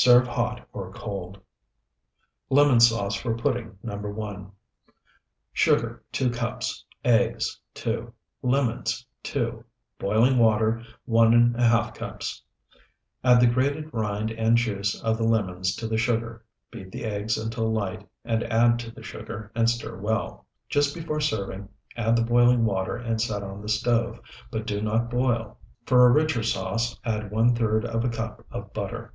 Serve hot or cold. LEMON SAUCE FOR PUDDING NO. 1 Sugar, 2 cups. Eggs, 2. Lemons, 2. Boiling water, 1½ cups. Add the grated rind and juice of the lemons to the sugar, beat the eggs until light, and add to the sugar, and stir well. Just before serving, add the boiling water and set on the stove, but do not boil. For a richer sauce add one third of a cup of butter.